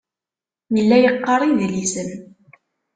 Yella yeqqar idlisen.